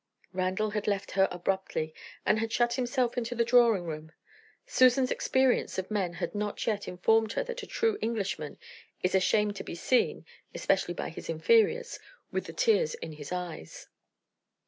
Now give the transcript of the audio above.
Randal had left her abruptly, and had shut himself into the drawing room. Susan's experience of men had not yet informed her that a true Englishman is ashamed to be seen (especially by his inferiors) with the tears in his eyes.